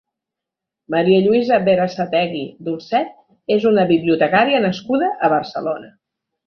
Maria Lluïsa Berasategui Dolcet és una bibliotecària nascuda a Barcelona.